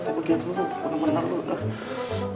tapi gitu bener bener tuh